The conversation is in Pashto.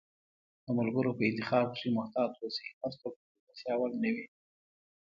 د ملګرو په انتخاب کښي محتاط اوسی، هرڅوک د ملګرتیا وړ نه وي